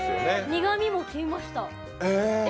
苦味も消えました。